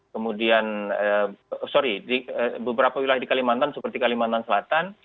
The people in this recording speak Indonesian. kemudian sorry di beberapa wilayah di kalimantan seperti kalimantan selatan